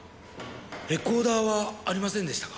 レコーダーはありませんでしたか？